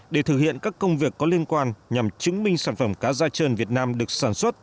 để thực hiện các công việc có liên quan nhằm chứng minh sản phẩm cá da trơn việt nam được sản xuất